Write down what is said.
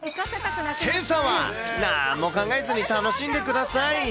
けさは、なーんも考えずに楽しんでください。